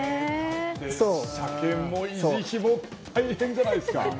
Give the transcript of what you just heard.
車検も維持費も大変じゃないですか。